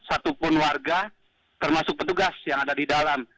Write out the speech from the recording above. satupun warga termasuk petugas yang ada di dalam